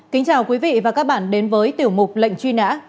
kính chào quý vị và các bạn đến với tiểu mục lệnh truy nã